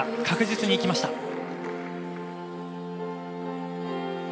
確実に行きました。